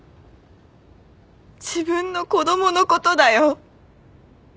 自分の子供のことだよ。